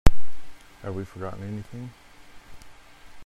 Have we forgotten anything?